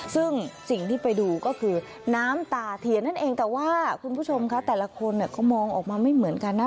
ซึ่งสิ่งที่ไปดูก็คือน้ำตาเทียนนั่นเองแต่ว่าคุณผู้ชมคะแต่ละคนก็มองออกมาไม่เหมือนกันนะ